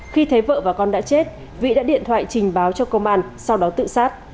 khi thấy vợ và con đã chết vĩ đã điện thoại trình báo cho công an sau đó tự sát